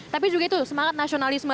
tapi juga itu semangat nasionalisme